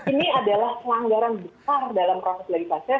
ini adalah selanggaran besar dalam proses legislatif